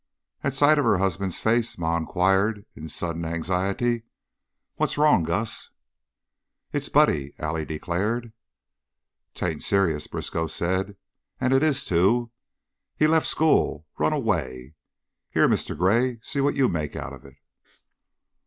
At sight of her husband's face Ma inquired, in sudden anxiety, "What's wrong, Gus?" "It's Buddy," Allie declared. "'Tain't serious," Briskow said. "And it is, too. He's left school run away! Here, Mr. Gray, see what you make out of it."